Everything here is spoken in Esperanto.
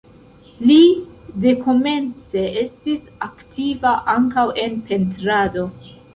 Li dekomence estis aktiva ankaŭ en pentrado.